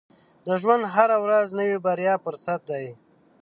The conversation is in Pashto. • د ژوند هره ورځ د نوې بریا فرصت دی.